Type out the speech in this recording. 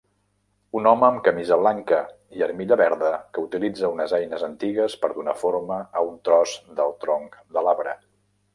Un home amb camisa blanca i armilla verda que utilitza unes eines antigues per donar forma a un tros del tronc de l'arbre